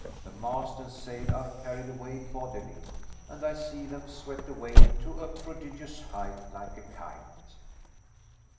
The mast and sail are carried away bodily, and I see them swept away to a prodigious height like a kite.